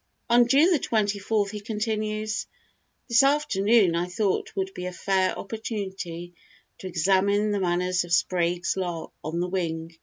On June 24 he continues: "This afternoon I thought would be a fair opportunity to examine the manners of Sprague's lark on the wing.